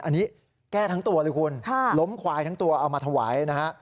อันนี้แก้ทั้งตัวเลยคุณล้มควายทั้งตัวเอามาถวายนะฮะ